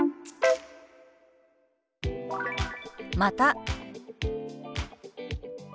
「また」。